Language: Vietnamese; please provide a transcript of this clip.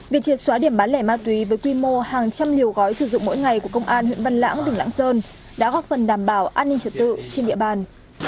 việc triệt xóa điểm bán lẻ ma túy với quy mô hàng trăm liều gói sử dụng mỗi ngày của công an huyện văn lãng tỉnh lãng sơn đã góp phần đảm bảo an ninh trật tự trên địa bàn